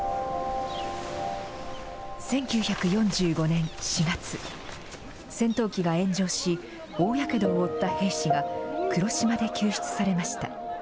１９４５年４月、戦闘機が炎上し、大やけどを負った兵士が黒島で救出されました。